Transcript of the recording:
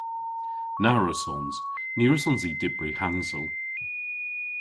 Na wrussons. Ny wrussons i dybri hansel.